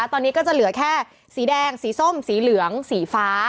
ตอนนี้ก็จะเหลือแค่สีแดงสีส้มสีเหลืองสีฟ้า